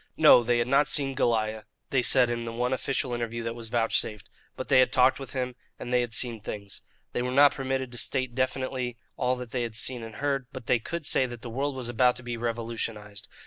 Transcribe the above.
No, they had not see Goliah, they said in the one official interview that was vouchsafed; but they had talked with him, and they had seen things. They were not permitted to state definitely all that they had seen and heard, but they could say that the world was about to be revolutionized.